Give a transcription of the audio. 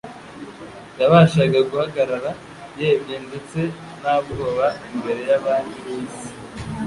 Yabashaga guhagarara yemye ndetse nta bwoba imbere y'abami b'isi,